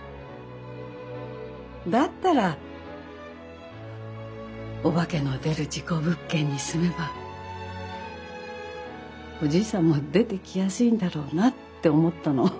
だったらお化けの出る事故物件に住めばおじいさんも出てきやすいんだろうなって思ったの。